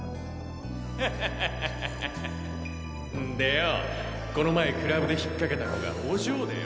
ハハハんでよこの前クラブで引っ掛けた娘がお嬢でよ